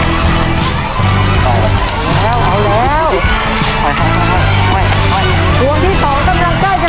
ทวงที่สองกำลังใกล้จะเสร็จแล้วนะฮะ